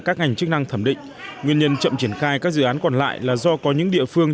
các ngành chức năng thẩm định nguyên nhân chậm triển khai các dự án còn lại là do có những địa phương